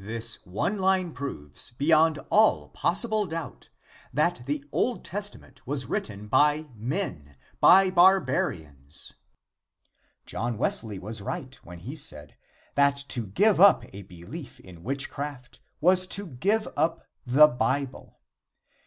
This one line proves beyond all possible doubt that the Old Testament was written by men, by barbarians. John Wesley was right when he said that to give up a belief in witchcraft was to give up the Bible.